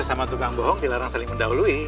sesama tukang bohong dilarang saling mendaului